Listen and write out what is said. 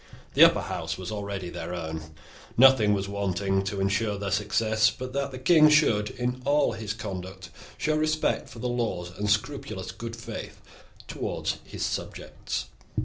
The Upper House was already their own. Nothing was wanting to ensure their success, but that the King should, in all his conduct, show respect for the laws and scrupulous good faith towards his subjects.